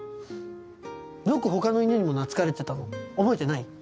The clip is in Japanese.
よく他の犬にも懐かれてたの覚えてない？